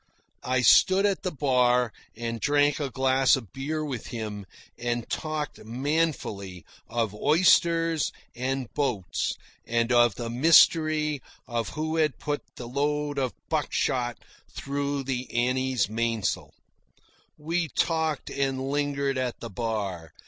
I stood at the bar and drank a glass of beer with him, and talked manfully of oysters, and boats, and of the mystery of who had put the load of buckshot through the Annie's mainsail. We talked and lingered at the bar.